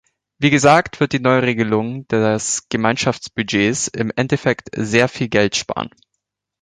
Wie gesagt wird die Neuregelung des Gemeinschaftsbudgets im Endeffekt sehr viel Geld sparen.